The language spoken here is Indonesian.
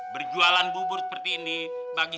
berjualan bubur seperti ini